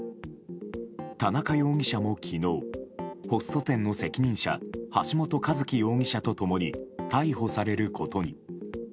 田中容疑者も昨日ホスト店の責任者橋本一喜容疑者と共に逮捕されることに。